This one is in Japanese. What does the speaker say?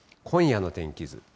今夜の天気図。